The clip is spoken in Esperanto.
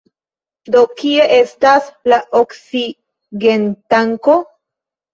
Do, kie estas la oksigentanko?